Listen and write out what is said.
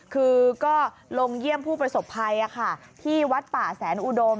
คือก็ลงเยี่ยมผู้ประสบภัยที่วัดป่าแสนอุดม